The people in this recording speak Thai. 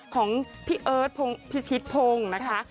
ของพี่เอิร์ทพิชิตพงศ์นะคะ